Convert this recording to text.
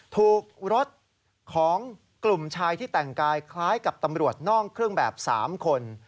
ถูกรถของกลุ่มชายที่แต่งกายคล้ายกับตำรวจนอกเครื่องแบบ๓คน